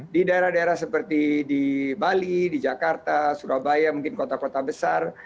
di daerah daerah seperti di bali di jakarta surabaya mungkin kota kota besar